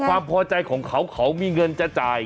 ความพอใจของเขาเขามีเงินจะจ่าย